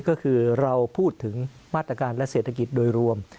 ก็คือเราพูดถึงมาตรการและเศรษฐกิจโดยรวม